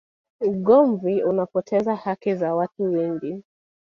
ugomvi unapoteza haki za watu wengi